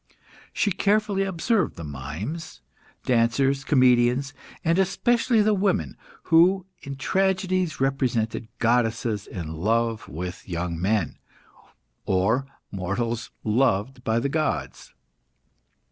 She carefully observed the mimes, dancers, comedians, and especially the women, who in tragedies represented goddesses in love with young men, or mortals loved by the gods.